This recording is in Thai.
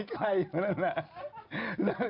ใคร